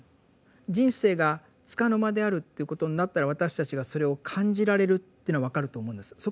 人生が束の間であるということになったら私たちがそれを感じられるっていうのは分かると思うんです。